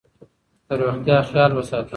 د روغتیا خیال وساته.